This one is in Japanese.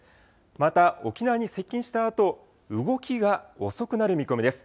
また、沖縄に接近したあと、動きが遅くなる見込みです。